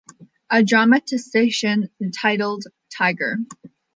A dramatisation titled Tiger!